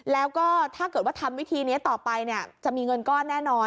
แล้วก็ถ้าเกิดว่าทำวิธีนี้ต่อไปจะมีเงินก้อนแน่นอน